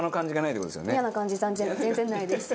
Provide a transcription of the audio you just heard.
イヤな感じ全然ないです。